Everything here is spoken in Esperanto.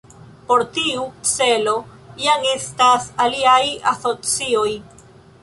Por tiu celo jam estas aliaj asocioj.